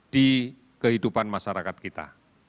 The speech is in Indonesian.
di kehidupan masyarakat kita